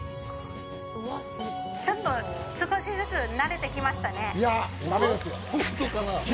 ちょっと、少しずつ慣れてきましたね。